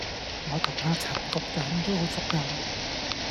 我同阿陳局長都好熟架